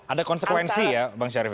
ada konsekuensi ya bang syarif